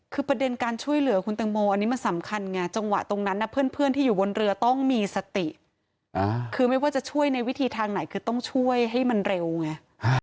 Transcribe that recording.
คือประเด็นการช่วยเหลือคุณตังโมอันนี้มันสำคัญไงจังหวะตรงนั้นเพื่อนที่อยู่บนเรือต้องมีสติคือไม่ว่าจะช่วยในวิธีทางไหนคือต้องช่วยให้มันเร็วไง